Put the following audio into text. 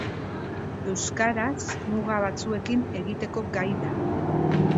Euskaraz muga batzuekin egiteko gai da.